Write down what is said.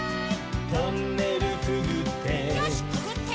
「トンネルくぐって」